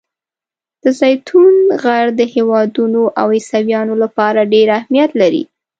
د زیتون غر د یهودانو او عیسویانو لپاره ډېر اهمیت لري.